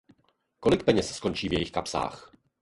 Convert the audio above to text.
Kolik peněz skončí v jejich kapsách?